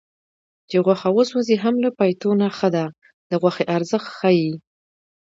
چې غوښه وسوځي هم له پیتو نه ښه ده د غوښې ارزښت ښيي